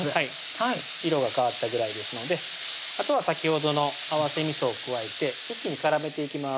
はい色が変わったぐらいですのであとは先ほどの合わせみそを加えて一気に絡めていきます